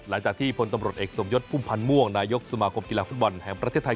หลังจากที่พลตำรวจเอกสมยศพุ่มพันธ์ม่วงนายกสมาคมกีฬาฟุตบอลแห่งประเทศไทย